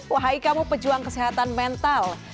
wahai kamu pejuang kesehatan mental